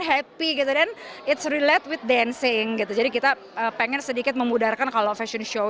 happy gitu dan it's really with dancing gitu jadi kita pengen sedikit memudarkan kalau fashion show